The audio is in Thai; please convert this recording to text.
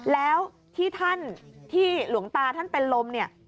แล้วที่ท่านที่หลวงตาท่านเป็นลมเนี่ย